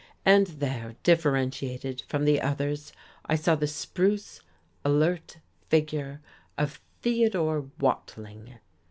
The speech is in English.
And there, differentiated from the others, I saw the spruce, alert figure of Theodore Watling.